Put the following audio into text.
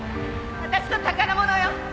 私の宝物よ！